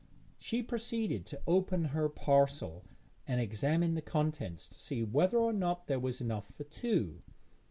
She proceeded to open her parcel and examine the contents to see whether or not there was enough for two.